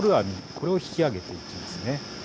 これを引き上げていきます。